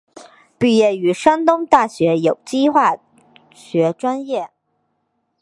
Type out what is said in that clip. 毕业于山东大学有机化学专业。